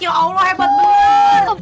ya allah hebat banget